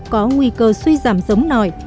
có nguy cơ suy giảm giống nòi